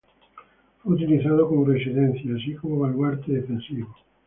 Fue utilizado como residencia y así como baluarte defensivo.